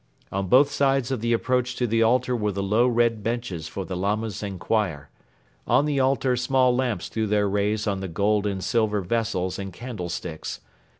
On both sides of the approach to the altar were the low red benches for the Lamas and choir. On the altar small lamps threw their rays on the gold and silver vessels and candlesticks.